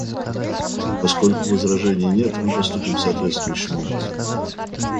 Поскольку возражений нет, мы поступим соответствующим образом.